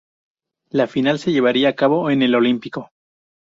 La final se llevaría a cabo en el Olímpico.